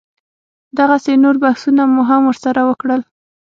دغسې نور بحثونه مو هم سره وکړل.